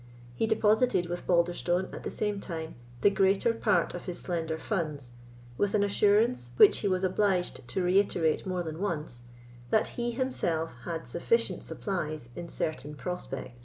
He deposited with Balderstone, at the same time, the greater part of his slender funds, with an assurance, which he was obliged to reiterate more than once, that he himself had sufficient supplies in certain prospect.